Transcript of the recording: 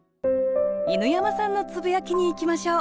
犬山さんのつぶやきにいきましょう